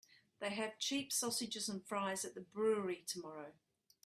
They have cheap sausages and fries at the brewery tomorrow.